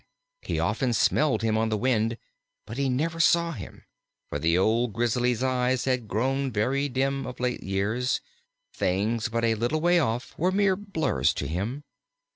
He often smelled him on the wind; but he never saw him, for the old Grizzly's eyes had grown very dim of late years; things but a little way off were mere blurs to him.